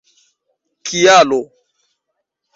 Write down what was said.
kialo